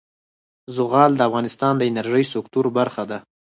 زغال د افغانستان د انرژۍ سکتور برخه ده.